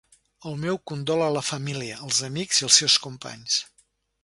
El meu condol a la família, als amics i als seus companys.